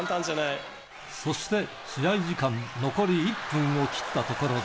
そして、試合時間、残り１分を切ったところで。